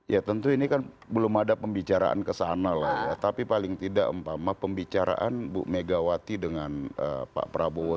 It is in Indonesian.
ya tentu ini kan belum ada pembicaraan kesana lah ya tapi paling tidak empama pembicaraan bu megawati dengan pak prabowo